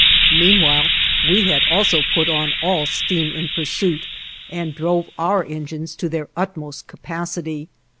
Meanwhile we had also put on all steam in pursuit, and drove our engines to their utmost capacity.